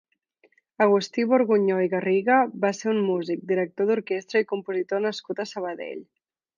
Agustí Borgunyó i Garriga va ser un músic, director d'orquestra i compositor nascut a Sabadell.